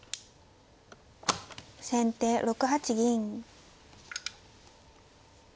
先手６八銀。